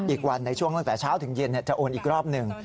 อีกวันในช่วงตั้งแต่เช้าถึงเย็นจะโอนอีกรอบหนึ่ง